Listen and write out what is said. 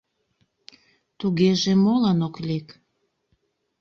Тугеже молан ок лек?